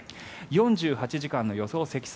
４８時間の予想積算